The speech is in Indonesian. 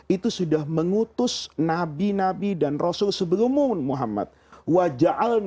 itu sudah mengutus nabi nabi dan rasul sebelum muun muhammad